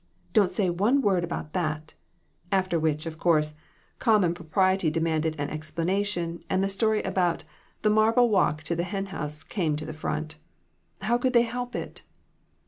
Don't say one word about that !" after which, of course, common propriety demanded an explanation, and the story about "the marble walk to the hen house" came to the front. How could they help it?